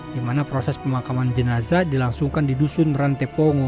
di mana proses pemakaman jenazah dilangsungkan di dusun rantepongo